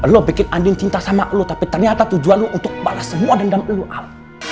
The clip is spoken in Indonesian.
lo bikin andin cinta sama lo tapi ternyata tujuan lo untuk balas semua dendam allah al